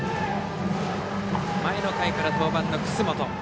前の回から登板の楠本。